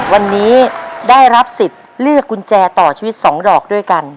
วันนี้ได้รับสิทธิ์เลือกกุญแจต่อชีวิต๒ดอกด้วยกัน